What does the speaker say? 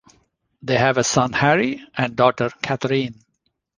They have a son Harry and daughter, Katherine.